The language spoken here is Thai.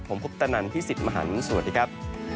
ผมพุทธนันที่๑๐มหันฯสวัสดีครับ